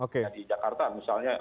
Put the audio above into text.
di jakarta misalnya